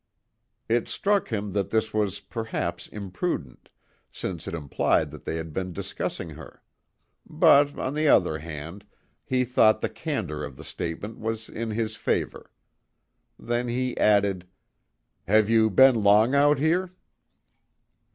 It struck him that this was, perhaps, imprudent, since it implied that they had been discussing her; but, on the other hand, he thought the candour of the statement was in his favour. Then he added: "Have you been long out here?"